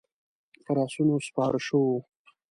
پر آسونو سپاره شوو.